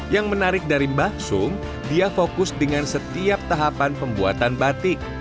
yang menarik dari mbah sum dia fokus dengan setiap tahapan pembuatan batik